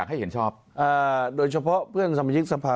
ที่ไม่มีนิวบายในการแก้ไขมาตรา๑๑๒